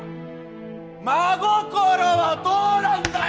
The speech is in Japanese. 真心はどうなんだよ